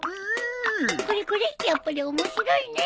これこれやっぱり面白いね。